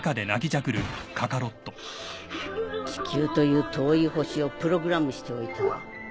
・地球という遠い星をプログラムしておいた。